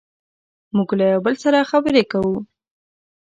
موږ له یو بل سره خبرې کوو.